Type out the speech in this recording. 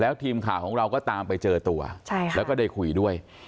ทีมข่าวของเราก็ตามไปเจอตัวแล้วก็ได้คุยด้วย